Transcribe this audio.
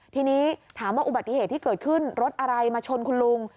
ทีนี้ถามว่าอุบัติเหตุที่เกิดขึ้นรถอะไรมาชนคุณลุง